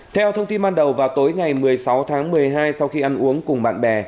theo thông tin ban đầu vào tối ngày một mươi sáu tháng một mươi hai sau khi ăn uống cùng bạn bè